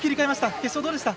決勝どうでした？